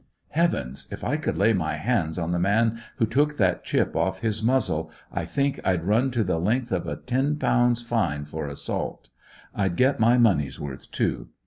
Heavens! If I could lay my hands on the man who took that chip off his muzzle, I think I'd run to the length of a ten pounds fine for assault. I'd get my money's worth, too.